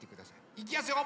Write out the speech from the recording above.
いきやすよ。